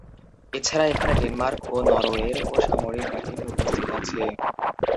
এছাড়া এখানে ডেনমার্ক ও নরওয়ের ও সামরিক বাহিনীর উপস্থিত আছে।